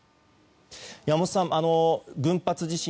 山本さん、群発地震